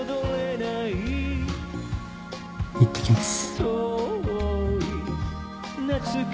いってきます。